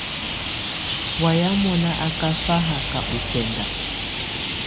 Wayɛ̀á mɔ́ná á ká faháka ɔ kɛnda.